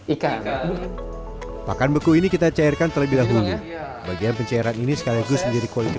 ikan pakan beku ini kita cairkan terlebih dahulu bagian pencairan ini sekaligus menjadi kualitas